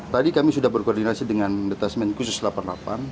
tadi kami sudah berkoordinasi dengan detesmen khusus lapangan